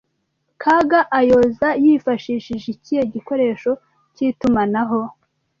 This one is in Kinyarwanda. Kaga ayooza yifashishije ikihe gikoresho k’itumanaho